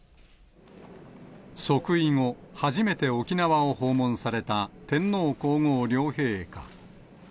即位後、初めて沖縄を訪問された天皇皇后両陛下。